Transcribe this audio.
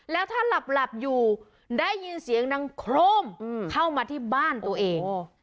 แล้วถ้าหลับอยู่ได้ยินเสียงดังโครมเข้ามาที่บ้านตัวเอง